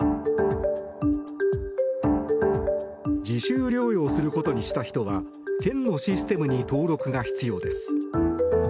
自主療養することにした人は県のシステムに登録が必要です。